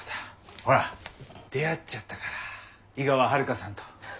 ほら出会っちゃったから井川遥さんと。